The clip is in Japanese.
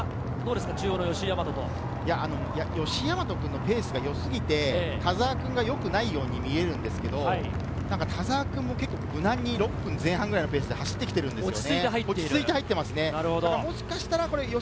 その差は吉居大和君のペースが良すぎて、田澤君が良くないように見えるんですが、田澤君も結構、無難に６分前半くらいのペースで走ってきているんですよね。